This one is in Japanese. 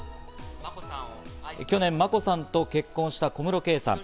去年、眞子さんと結婚した小室圭さん。